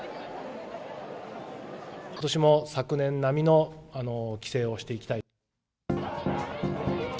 ことしも昨年並みの規制をしていきたいと。